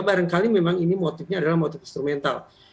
barangkali memang ini motifnya adalah motif instrumental